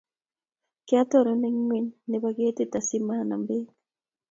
Kyatotonon eng ingweny nebo ketit asimanama beek